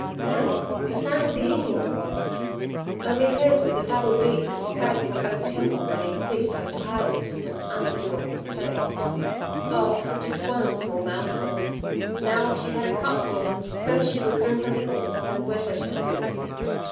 No; the sound of the emu it was, only hers was a double beat that sprang from both temples and increased her tiredness and unendurable thirst. Oh for just one small mouthful! Now if she had a cupful, first she would drink a little, then wet her temples.